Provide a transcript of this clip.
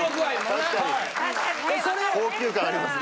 確かに高級感ありますね。